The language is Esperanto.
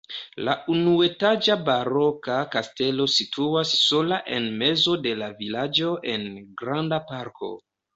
La unuetaĝa baroka kastelo situas sola en mezo de la vilaĝo en granda parko.